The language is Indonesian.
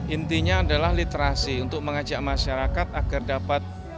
intinya adalah literasi untuk mengajak masyarakat agar dapat